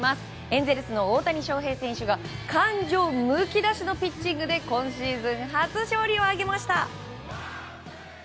エンゼルスの大谷翔平選手が感情むき出しのピッチングで今シーズン初勝利を挙げました！